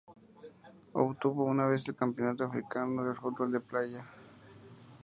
Obtuvo una vez el Campeonato Africano de Fútbol Playa.